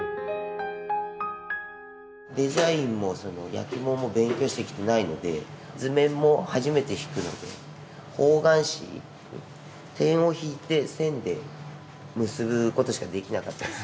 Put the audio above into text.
デザインも焼き物も勉強してきてないので図面も初めて引くので方眼紙に点を引いて線で結ぶことしかできなかったです。